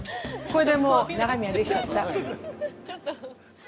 ◆これでもう、中身はできちゃった。